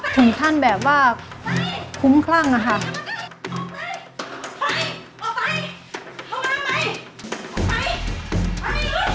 ถึงท่านแบบว่าคุ้มครั่งนะคะ